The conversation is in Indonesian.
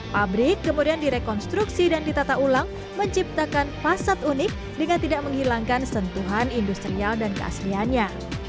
pabrik kemudian direkonstruksi dan ditata ulang menciptakan fasad unik dengan tidak menghilangkan sentuhan industrial dan keasliannya